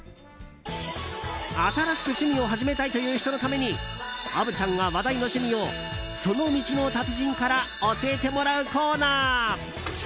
新しく趣味を始めたいという人のために虻ちゃんがその道の達人から教えてもらうコーナー